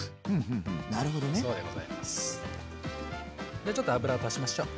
じゃあちょっと油を足しましょう。